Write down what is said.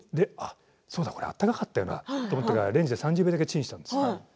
そうだこれ温かかったよなと思ってレンジで３０秒だけチンしたんです。